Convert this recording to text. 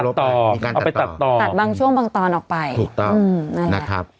โดนลบไปตัดต่อเอาไปตัดต่อตัดบางช่วงบางตอนออกไปถูกต้องอืมนั่นแหละ